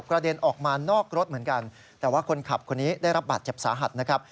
เด็นออกมานอกรถเหมือนกันแต่ว่าคนขับคนนี้ได้รับบาดเจ็บสาหัสนะครับ